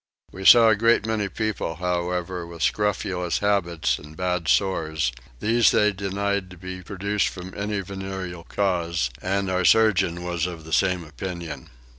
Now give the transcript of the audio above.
We saw a great many people however with scrofulous habits and bad sores: these they denied to be produced from any venereal cause; and our surgeon was of the same opinion.